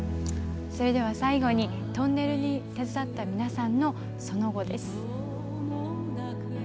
それでは最後にトンネルに携わった皆さんのその後です。